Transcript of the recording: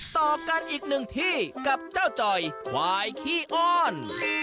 ต่อกันอีกหนึ่งที่กับเจ้าจ่อยควายขี้อ้อน